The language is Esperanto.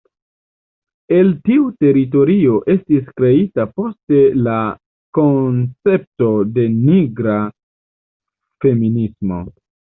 El tiu teorio estis kreita poste la koncepto de Nigra feminismo.